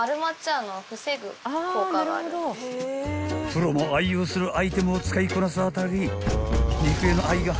［プロも愛用するアイテムを使いこなすあたり肉への愛が半端じゃ